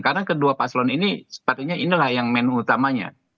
karena kedua paslon ini sepatutnya inilah yang menu utamanya